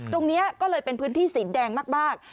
ตรงนี้ก็เลยเป็นพื้นที่สีแดงมาก